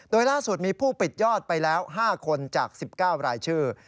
โดยล่าสุดมีผู้ปิดยอดไปแล้ว๕คนจาก๑๙รายชื่อ